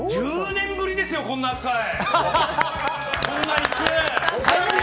１０年ぶりですよ、こんな扱い。